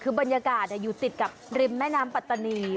คือบรรยากาศอยู่ติดกับริมแม่น้ำปัตตานี